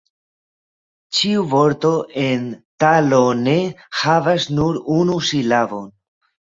Ĉiu vorto en "Ta lo ne" havas nur unu silabon.